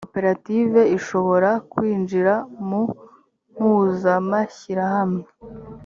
koperative ishobora kwinjira mu mpuzamashyirahamwe